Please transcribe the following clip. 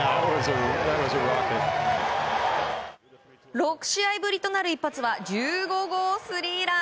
６試合ぶりとなる一発は１５号スリーラン。